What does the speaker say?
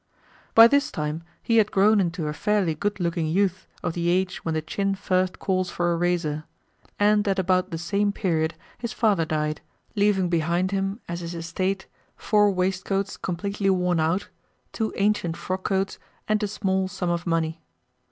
By this time he had grown into a fairly good looking youth of the age when the chin first calls for a razor; and at about the same period his father died, leaving behind him, as his estate, four waistcoats completely worn out, two ancient frockcoats, and a small sum of money.